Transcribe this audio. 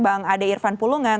bang ade irfan pulungan